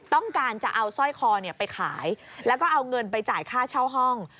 ต้องการจะเอาสร้อยคอไปขายแล้วก็เอาเงินไปจ่ายค่าเช่าห้อง